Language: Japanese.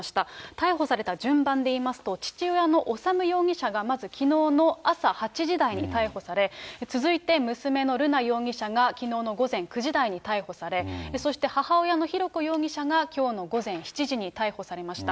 逮捕された順番でいいますと、父親の修容疑者がまずきのうの朝８時台に逮捕され、続いて娘の瑠奈容疑者がきのうの午前９時台に逮捕され、そして母親の浩子容疑者がきょうの午前７時に逮捕されました。